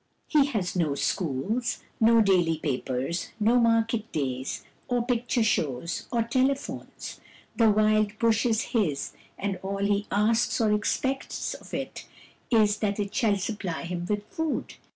He has no schools, no daily papers, no market days, or picture shows, or tele phones. The wild Bush is his, and all he asks or expects of it is that it shall supply him with food.